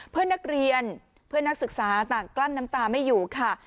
เพื่อนนักเรียนเพื่อนนักศึกษาต่างกลั้นน้ำตาไม่อยู่ค่ะ